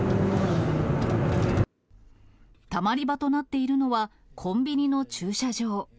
たまり場となっているのはコンビニの駐車場。